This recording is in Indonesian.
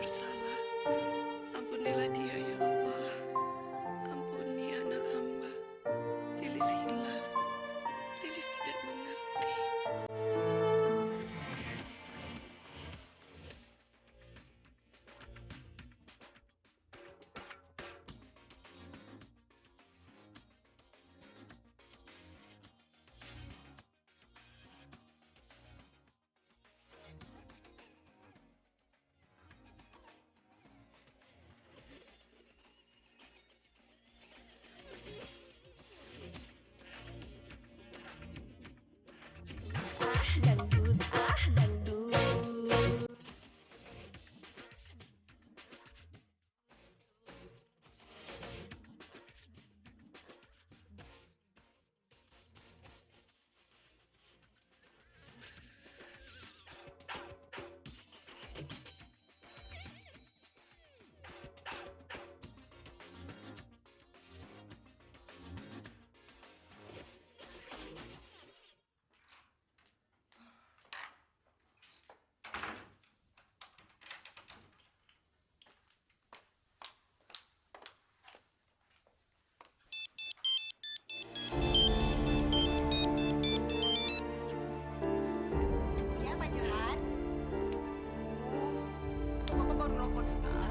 sampai jumpa di video selanjutnya